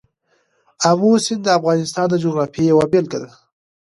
آمو سیند د افغانستان د جغرافیې یوه بېلګه ده.